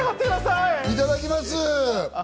いただきます。